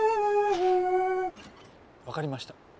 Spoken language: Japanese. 分かりました。